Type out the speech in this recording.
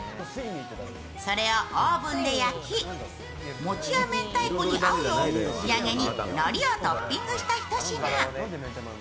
それをオーブンで焼き、餅やめんたいこに合うよう仕上げにのりをトッピングしたひと品。